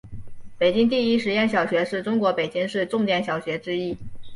北京第一实验小学是中国北京市重点小学之一。